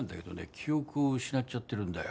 記憶を失っちゃってるんだよ。